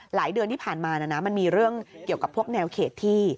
เดือนที่ผ่านมามันมีเรื่องเกี่ยวกับพวกแนวเขตที่